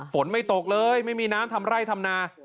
ฝนไม่ตกเลยไม่มีน้ำทำไร่ทำนา